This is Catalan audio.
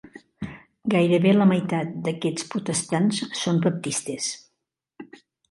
Gairebé la meitat d'aquests protestants són baptistes.